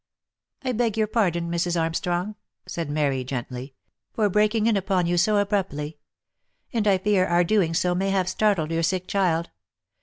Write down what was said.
" I beg your pardon, Mrs. Armstrong," said Mary, gently, " for breaking in upon you so abruptly ; and 1 fear our doing so may have startled your sick child.